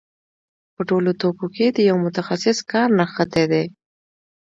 په ټولو توکو کې د یو متخصص کار نغښتی دی